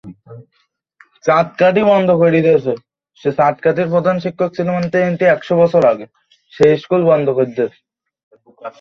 তোমাকে এখন বাড়ি যেতে হবে, খাদিজাহ।